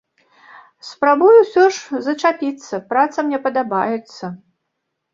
Спрабую, усё ж, зачапіцца, праца мне падабаецца.